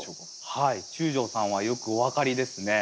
はい中條さんはよくお分かりですね。というと？